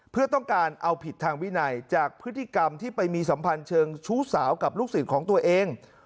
เพื่อต้องการเอาผิดทางวินัยจากพฤติกรรมที่ไปมีสัมพันธ์เชิงชู้สาวกับลูกศิษย์ของตัวเอง